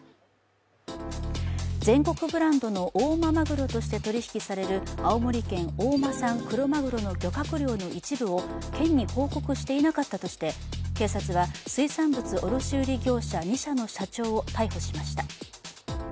全国ブランドの大間まぐろとして取り引きされる青森県大間産クロマグロの漁獲量の一部を県に報告していなかったとして警察は水産物卸売業者２社の社長を逮捕しました。